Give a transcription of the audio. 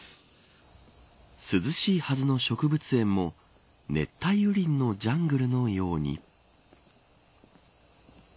涼しいはずの植物園も熱帯雨林のジャングルのように。